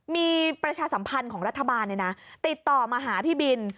มีประชาสัมพันธ์ของรัฐบาลติดต่อมาหาพี่บิน